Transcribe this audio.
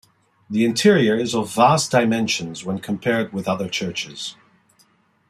The interior is of vast dimensions when compared with other churches.